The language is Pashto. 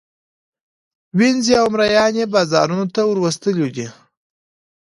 وینزې او مرییان یې بازارانو ته وروستلي دي.